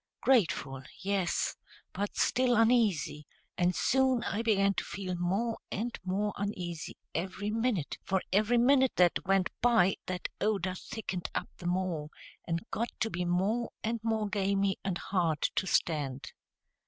Grateful, yes, but still uneasy; and soon I began to feel more and more uneasy every minute, for every minute that went by that odor thickened up the more, and got to be more and more gamey and hard to stand.